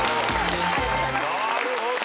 ・なるほど。